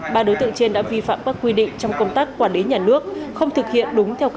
ba đối tượng trên đã vi phạm các quy định trong công tác quản lý nhà nước